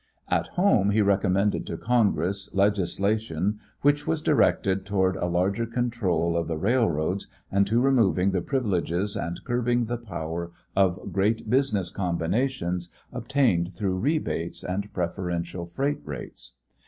At home he recommended to Congress legislation which was directed toward a larger control of the railroads and to removing the privileges and curbing the power of great business combinations obtained through rebates and preferential freight rates.